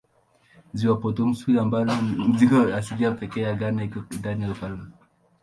Ziwa Bosumtwi ambalo ni ziwa asilia pekee ya Ghana liko ndani ya ufalme.